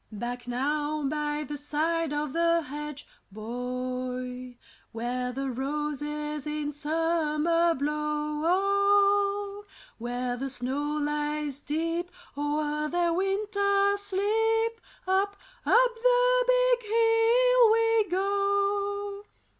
Back now by the side of the hedge, boy, Where the roses in summer blow, Where the snow lies deep o'er their winter sleep, Up, up the big hill we go.